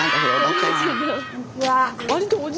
こんにちは。